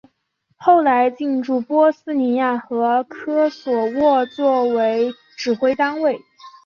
后来进驻波斯尼亚和科索沃作为指挥单位。